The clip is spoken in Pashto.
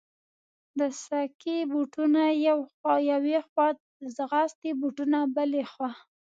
د سکې بوټونه یوې خوا، د ځغاستې بوټونه بلې خوا.